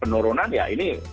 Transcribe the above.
penurunan ya ini